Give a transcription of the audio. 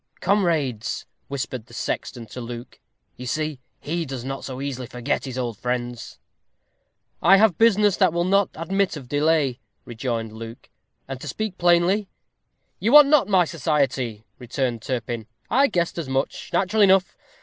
"Comrades!" whispered the sexton to Luke; "you see he does not so easily forget his old friends." "I have business that will not admit of delay," rejoined Luke; "and to speak plainly " "You want not my society," returned Turpin; "I guessed as much. Natural enough!